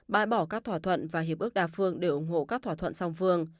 bãi bỏ các thỏa thuận và hiệp ước đa phương để ủng hộ các thỏa thuận song phương